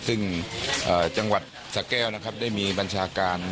ซึ่งจังหวัดสะแก้วนะครับได้มีบัญชาการ